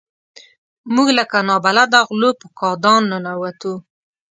موږ لکه نابلده غلو په کادان ننوتو.